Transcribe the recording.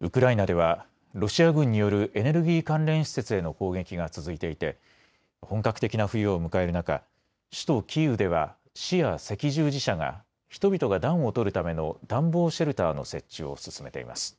ウクライナではロシア軍によるエネルギー関連施設への攻撃が続いていて本格的な冬を迎える中、首都キーウでは市や赤十字社が人々が暖を取るための暖房シェルターの設置を進めています。